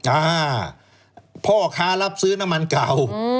อ่าพ่อค้ารับซื้อน้ำมันเก่า